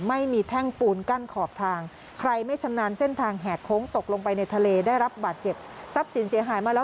ไม่มีแท่งปูนกั้นขอบทางใครไม่ชำนาญเส้นทางแหกโค้งตกลงไปในทะเลได้รับบาดเจ็บทรัพย์สินเสียหายมาแล้ว